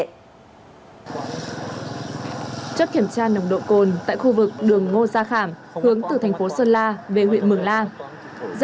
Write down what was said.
chốt kiểm tra nồng độ cồn tại khu vực đường ngô gia khảm hướng từ thành phố sơn la về huyện mường la